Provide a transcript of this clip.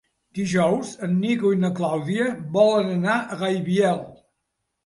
Dijous en Nico i na Clàudia volen anar a Gaibiel.